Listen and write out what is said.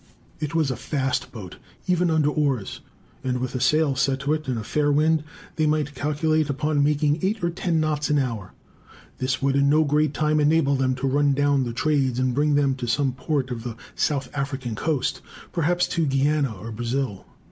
It was a fast boat, even under oars, and with a sail set to it, and a fair wind, they might calculate upon making eight or ten knots an hour. This would in no great time enable them to run down the "trades," and bring them to some port of the South American coast, perhaps to Guiana, or Brazil.